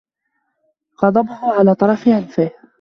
غضبه على طرف أنفه